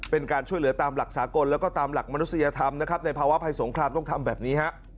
เป็นการช่วยเหลือตามหลักสากลแล้วก็ตามหลักมนุษยธรรมนะครับในภาวะภัยสงครามต้องทำแบบนี้ฮะ